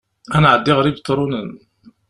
Ad nɛeddi ɣer Ibetṛunen.